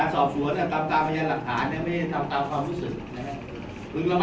สวัสดีครับ